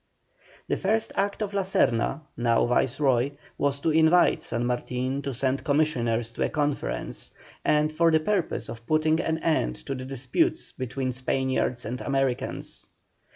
The first act of La Serna, now Viceroy, was to invite San Martin to send Commissioners to a conference, for the purpose of putting an end to the disputes between Spaniards and Americans.